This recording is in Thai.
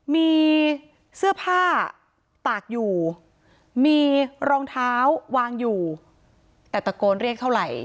มีเสื้อผ้าตากอยู่มีรองเท้าวางอยู่แต่ตะโกนเรียกเท่าไหร่